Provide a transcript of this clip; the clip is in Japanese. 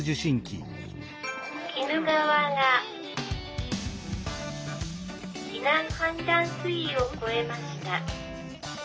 「鬼怒川が避難判断水位を超えました」。